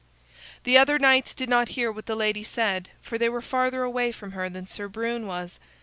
The other knights did not hear what the lady said, for they were farther away from her than Sir Brune was.